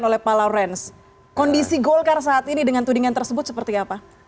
oleh pak lawrence kondisi golkar saat ini dengan tudingan tersebut seperti apa